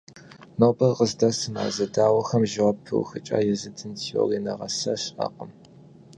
Нобэр къыздэсым а зэдауэхэм жэуап пыухыкӀа езытыфын теорие нэгъэса щыӀэкъым.